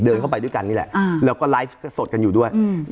เข้าไปด้วยกันนี่แหละแล้วก็ไลฟ์สดกันอยู่ด้วย